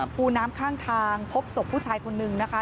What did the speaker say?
ภูน้ำข้างทางพบศพผู้ชายคนนึงนะคะ